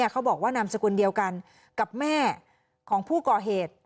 ความนามสกุลเดียวกันกับแม่ของผู้ก่อเหตุ